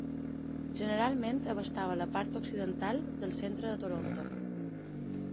Generalment abastava la part occidental del centre de Toronto.